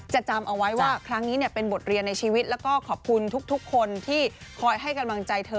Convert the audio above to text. จำเอาไว้ว่าครั้งนี้เป็นบทเรียนในชีวิตแล้วก็ขอบคุณทุกคนที่คอยให้กำลังใจเธอ